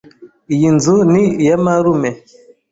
Iyi nzu ni iya marume.